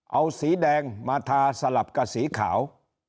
เอาสีแดงมาทาสลับกับสีขาว